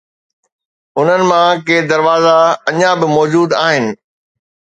انهن مان ڪي دروازا اڃا به موجود آهن